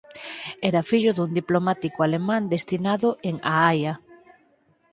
Era fillo dun diplomático alemán destinado en A Haia.